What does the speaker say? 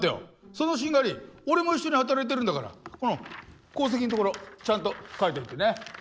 その殿俺も一緒に働いているんだから功績のところちゃんと書いておいてね。